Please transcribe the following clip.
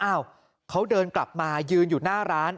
อ้าวเขาเดินกลับมายืนอยู่หน้าร้าน